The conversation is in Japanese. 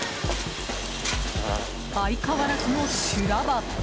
相変わらずの修羅場！